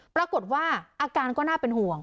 ปรากฏว่าอาการก็น่าเป็นห่วง